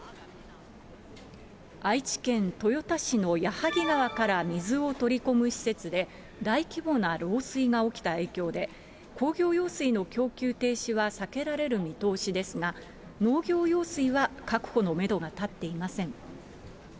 愛知県豊田市の矢作川から水を取り込む施設で、大規模な漏水が起きた影響で、工業用水の供給停止は避けられる見通しですが、農業用水は確保のメドがたっていません。